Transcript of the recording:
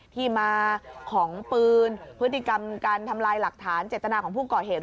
ที่มาของปืนพฤติกรรมการทำลายหลักฐานเจตนาของผู้ก่อเหตุ